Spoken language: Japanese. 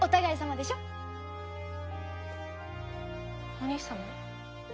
お兄様？